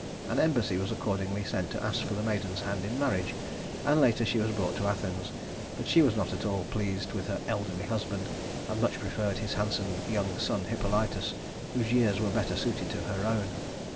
An embassy was accordingly sent to ask for the maiden's hand in marriage, and later she was brought to Athens; but she was not at all pleased with her elderly husband, and much preferred his handsome young son Hippolytus, whose years were better suited to her own.